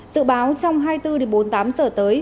dự báo trong hai mươi bốn đến bốn mươi tám giờ tới